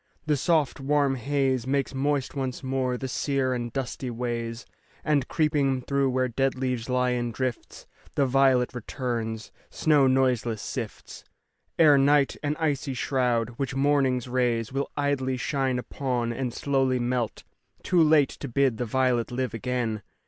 The soft, warm haze Makes moist once more the sere and dusty ways, And, creeping through where dead leaves lie in drifts, The violet returns. Snow noiseless sifts Ere night, an icy shroud, which morning's rays Willidly shine upon and slowly melt, Too late to bid the violet live again.